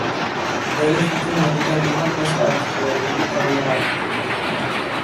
Relief itu menunjukkan lima belas karakter dari buku karya Harte.